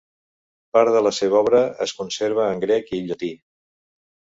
Part de la seva obra es conserva en grec i llatí.